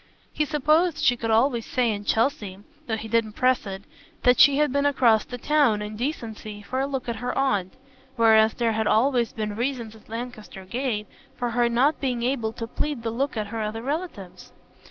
He supposed she could always say in Chelsea though he didn't press it that she had been across the town, in decency, for a look at her aunt; whereas there had always been reasons at Lancaster Gate for her not being able to plead the look at her other relatives.